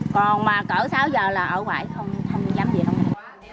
còn mà cỡ sáu giờ là ở ngoài không dám về trong này